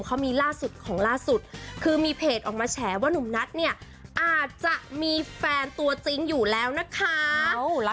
เขามีล่าสุดของล่าสุดคือมีเพจออกมาแฉว่านุ่มนัทเนี่ยอาจจะมีแฟนตัวจริงอยู่แล้วนะคะ